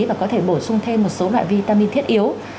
và có thể bổ sung thêm một số loại vitamin thiết yếu